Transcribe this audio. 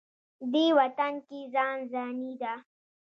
دې وطن کې ځان ځاني ده.